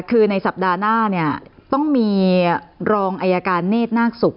คือในสัปดาห์หน้าเนี่ยต้องมีรองอายการเนธนาคศุกร์